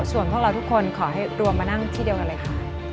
ส่วนพวกเราทุกคนขอให้รวมมานั่งที่เดียวกันเลยค่ะ